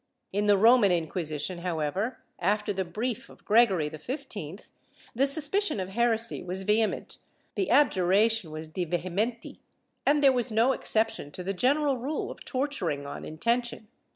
"^ In the Roman Inquisition, however, after the brief of Gregory XV, the suspicion of heresy was vehement, the abjura tion was de vehementi and there was no exception to the general rule of torturing on intention.